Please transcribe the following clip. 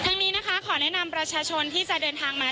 นี้นะคะขอแนะนำประชาชนที่จะเดินทางมา